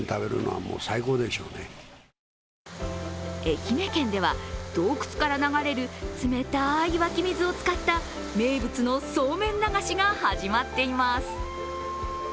愛媛県では洞窟から流れる冷たい湧き水を使った名物のそうめん流しが始まっています。